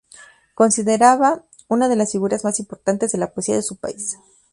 Considerada una de las figuras más importantes de la poesía de su país.